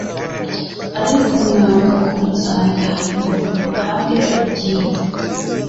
Ariko mwanga kunsanga ngo muhabwe ubugingo.